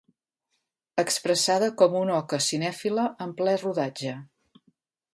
Expressada com una oca cinèfila en ple rodatge.